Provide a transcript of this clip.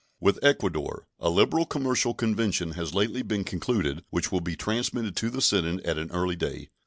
With Ecuador a liberal commercial convention has lately been concluded, which will be transmitted to the Senate at an early day.